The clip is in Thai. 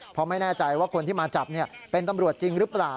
เพราะไม่แน่ใจว่าคนที่มาจับเป็นตำรวจจริงหรือเปล่า